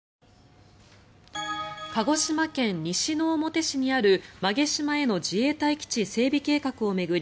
鹿児島県西之表市にある馬毛島への自衛隊基地整備計画を巡り